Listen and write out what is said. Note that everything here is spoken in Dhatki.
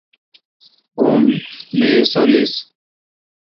هون بي حصو ليسن.